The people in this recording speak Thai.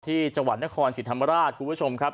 ที่จังหวัดนครศรีธรรมราชคุณผู้ชมครับ